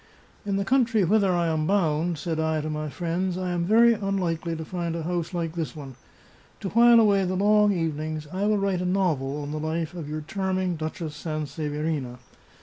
" In the country whither I am bound," said I to my friends, " I am very unlikely to find a house like this one. To while away the long evenings I will write a novel on vii The Chartreuse of Parma the life of yoiir charming Duchess Sanseverina.